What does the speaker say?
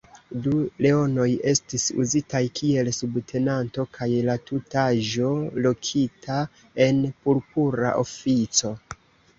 Du leonoj estis uzitaj kiel subtenanto kaj la tutaĵo lokita en purpura ofico.